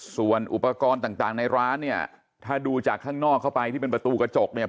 ส่วนอุปกรณ์ต่างในร้านเนี่ยถ้าดูจากข้างนอกเข้าไปที่เป็นประตูกระจกเนี่ย